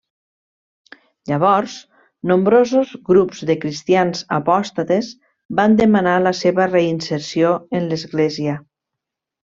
Llavors, nombrosos grups de cristians apòstates van demanar la seva reinserció en l'Església.